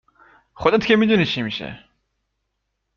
خودت که میدونی چی میشه